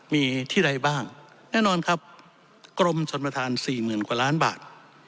มีที่ใดบ้างแน่นอนครับกรมชนประธานสี่หมื่นกว่าล้านบาท